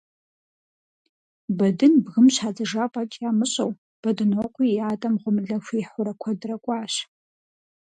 Бэдын бгым щадзыжа фӀэкӀ ямыщӀэу, Бэдынокъуи и адэм гъуэмылэ хуихьурэ куэдрэ кӀуащ.